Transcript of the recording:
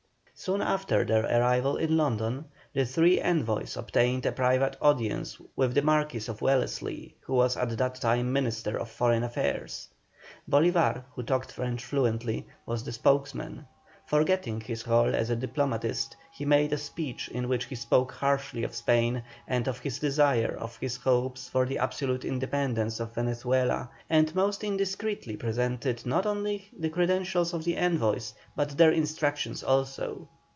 Soon after their arrival in London, the three envoys obtained a private audience with the Marquis of Wellesley, who was at that time Minister of Foreign Affairs. Bolívar, who talked French fluently, was the spokesman. Forgetting his rôle as a diplomatist, he made a speech in which he spoke harshly of Spain, and of his desire and of his hopes for the absolute independence of Venezuela; and most indiscreetly presented, not only the credentials of the envoys, but their instructions also.